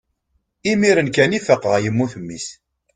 imir-n kan i faqeɣ yemmut mmi-s